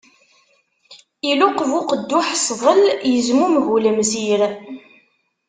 Iluqeb uqedduḥ sḍel, izmummeg ulemsir.